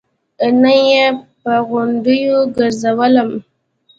نه يې پر غونډيو ګرځولم.